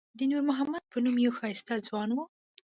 د نور محمد په نوم یو ښایسته ځوان و.